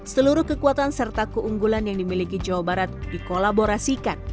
seluruh kekuatan serta keunggulan yang dimiliki jawa barat dikolaborasikan